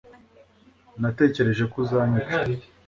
Natekereje ko uzanyica